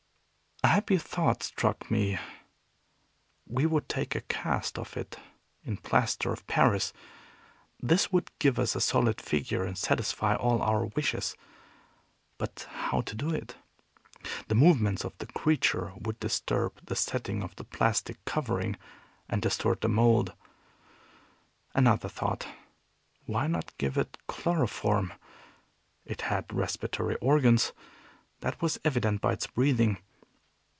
A happy thought struck me. We would take a cast of it in plaster of Paris. This would give us the solid figure, and satisfy all our wishes. But how to do it? The movements of the creature would disturb the setting of the plastic covering, and distort the mold. Another thought. Why not give it chloroform? It had respiratory organs, that was evident by its breathing.